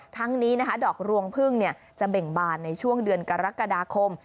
ทั้งนี้นะคะดอกรวงพึ่งจะเบ่งบานในช่วงเดือนกรกฎาคม